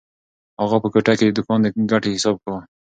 اغا په کوټه کې د دوکان د ګټې حساب کاوه.